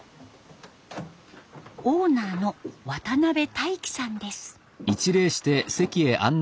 オーナーの渡太紀さんです。